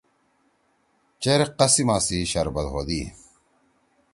چیر قسِما سی شربت ہودی۔